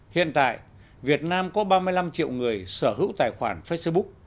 hiện tại việt nam có ba mươi năm triệu người sở hữu tài khoản facebook